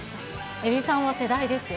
えびさんは世代ですよね。